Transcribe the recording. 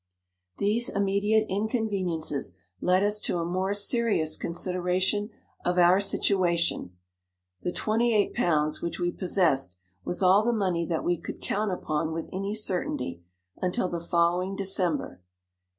These immediate inconveniences led us to a more serious consideration of our situation. The £28. which we possessed, was all the money that we could count upon with any certainty, until the following December.